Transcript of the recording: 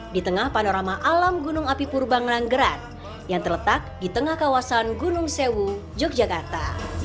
di tengah panorama alam gunung api purbang ranggerat yang terletak di tengah kawasan gunung sewu yogyakarta